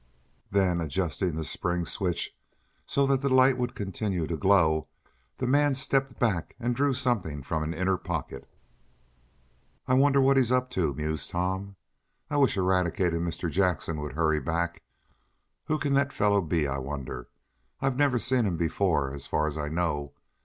Then, adjusting the spring switch so that the light would continue to glow, the man stepped back and drew something from an inner pocket. "I wonder what he's up to?" mused Tom. "I wish Eradicate and Mr. Jackson would hurry back. Who can that fellow be, I wonder? I've never seen him before, as far as I know.